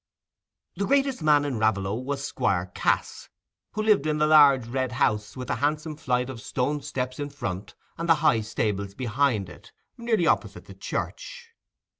The greatest man in Raveloe was Squire Cass, who lived in the large red house with the handsome flight of stone steps in front and the high stables behind it, nearly opposite the church.